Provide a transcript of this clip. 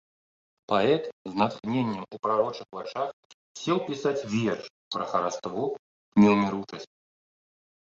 Паэт з натхненнем у прарочых вачах сеў пісаць верш пра хараство неўміручасці.